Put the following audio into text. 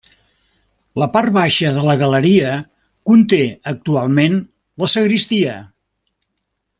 La part baixa de la galeria conté actualment la sagristia.